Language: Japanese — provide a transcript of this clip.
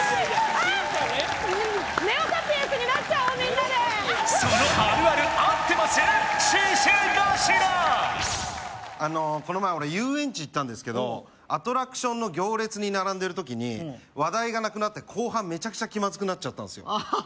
あっネオ・サピエンスになっちゃおうみんなであのこの前俺遊園地行ったんですけどアトラクションの行列に並んでる時に話題がなくなって後半メチャクチャ気まずくなっちゃったんすよ